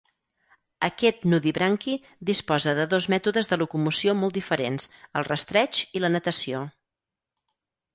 Aquest nudibranqui disposa de dos mètodes de locomoció molt diferents: el rastreig i la natació.